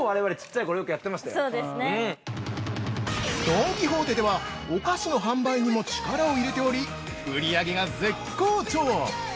◆ドン・キホーテでは、お菓子の販売にも力を入れており売上が絶好調！